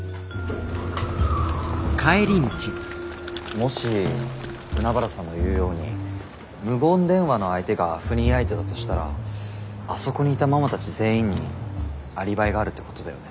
もし海原さんの言うように無言電話の相手が不倫相手だとしたらあそこにいたママたち全員にアリバイがあるってことだよね？